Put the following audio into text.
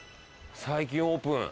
最近オープン。